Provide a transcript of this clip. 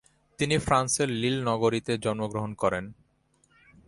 তিনি ফ্রান্সের লিল নগরীতে জন্মগ্রহণ করেন।